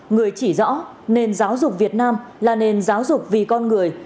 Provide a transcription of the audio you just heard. người chỉ rõ nền giáo dục việt nam là nền giáo dục vì con người